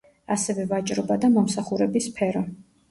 ასევე ვაჭრობა და მომსახურების სფერო.